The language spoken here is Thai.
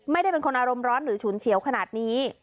ไม่ได้เป็นคนอารมณ์ร้อนหรือฉุนเฉียวขนาดนี้